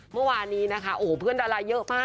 เมื่อวานนี้นะคะโอ้โหเพื่อนดาราเยอะมาก